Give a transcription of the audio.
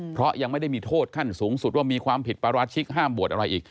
เพราะยังไม่ได้มีโทษขั้นสูงสุดว่ามีความผิดปราชิกห้ามบวชอะไรอีก